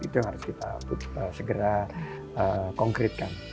itu yang harus kita segera konkretkan